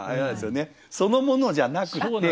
そのものじゃなくて。